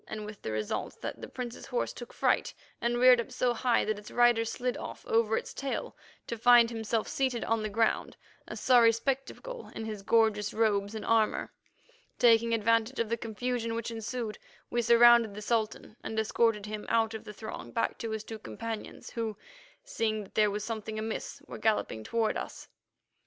with the result that the Prince's horse took fright, and reared up so high that its rider slid off over its tail to find himself seated on the ground, a sorry spectacle in his gorgeous robes and armour. Taking advantage of the confusion which ensued, we surrounded the Sultan and escorted him out of the throng back to his two companions, who, seeing that there was something amiss, were galloping toward us.